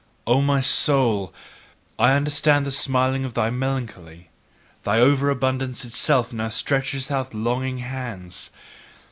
O my soul, I understand the smiling of thy melancholy: thine over abundance itself now stretcheth out longing hands!